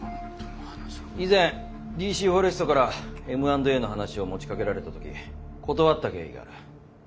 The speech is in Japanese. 以前ＤＣフォレストからＭ＆Ａの話を持ちかけられた時断った経緯がある。